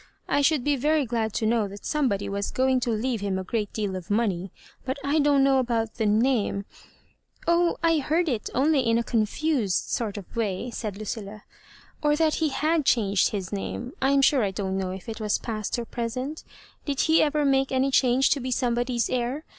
I should be very glad to kno# that somebody was going to leave him a great deal ^of money ; but I don't know about the name ^—"Oh, I heard it only in a confused sort of way," said Lucilla, "or that he had changed his name. I am sure I don't know if it was past or present Did he ever make any change to be somebody's heir?